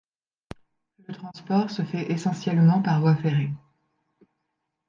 Le transport se fait essentiellement par voie ferrée.